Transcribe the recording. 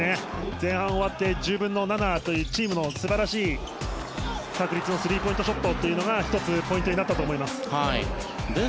前半終わって１０分の７というチームの素晴らしい確率のスリーポイントショットというのが１つポイントになったと思います。